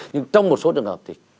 nhưng trong một số trường hợp thì